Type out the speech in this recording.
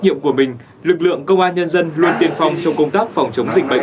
nhiệm của mình lực lượng công an nhân dân luôn tiên phong trong công tác phòng chống dịch bệnh